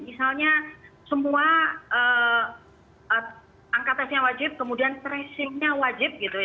misalnya semua angka tesnya wajib kemudian tracingnya wajib gitu ya